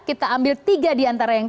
kita ambil tiga diantara yang